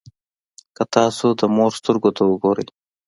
که تاسو د مور سترګو ته وګورئ.